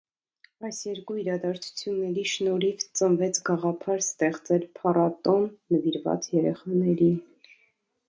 Այս երկու իրադարձությունների շնորհիվ ծնվեց գաղափար ստեղծել փառատոն նվիրված երեխաներին։